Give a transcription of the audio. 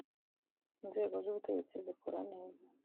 inzego zubutegetsi zikora neza.